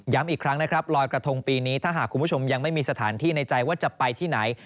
อีกครั้งนะครับลอยกระทงปีนี้ถ้าหากคุณผู้ชมยังไม่มีสถานที่ในใจว่าจะไปที่ไหน